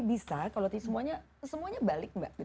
bisa kalau semuanya balik mbak